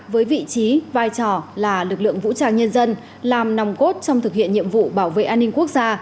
với vị trí vai trò là lực lượng vũ trang nhân dân làm nòng cốt trong thực hiện nhiệm vụ bảo vệ an ninh quốc gia